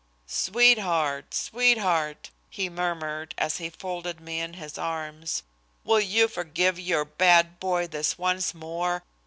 "Sweetheart! sweetheart!" he murmured, as he folded me in his arms," will you forgive your bad boy this once more?